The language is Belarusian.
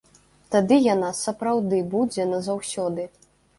Тады яна сапраўды будзе назаўсёды.